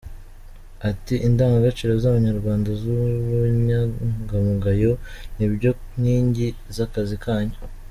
Ati” Indagagaciro z’Abanyarwanda n’ubunyangamugayo ni byo nkingi z’akazi kanyu.